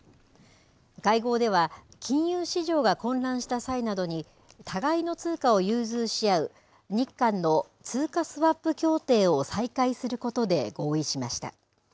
会合では金融市場が混乱した際などに互いの通貨を融通し合う日韓の通貨スワップ協定を再開することで合意しました。